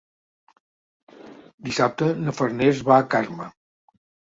Dissabte na Farners va a Carme.